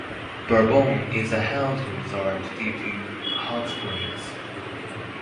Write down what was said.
Bourbonne is a health resort due to hot springs.